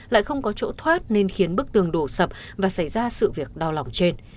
lại không có chỗ thoát nên khiến bức tường đổ sập và xảy ra sự việc đau lòng trên